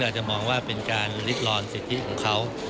อาจจะมองว่าเป็นการลิกลรสิทธิ์ของเขา